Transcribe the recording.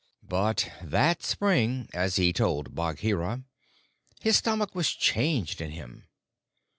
But that spring, as he told Bagheera, his stomach was changed in him.